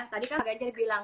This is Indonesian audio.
tadi kan ganjar bilang